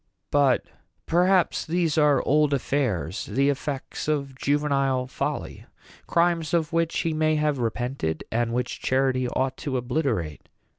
But perhaps these are old affairs the effects of juvenile folly crimes of which he may have repented, and which charity ought to obliterate."